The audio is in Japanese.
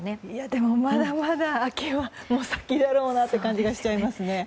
でも、まだまだ秋は先だろうなと感じがします。